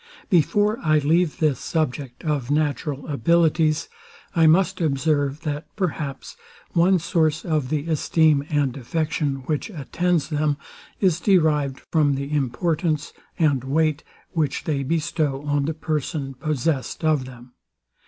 Before I leave this subject of natural abilities, I must observe, that, perhaps, one source of the esteem and affection, which attends them, is derived from the importance and weight, which they bestow on the person possessed of them.